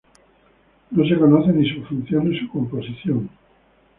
No se conoce ni su función ni su composición.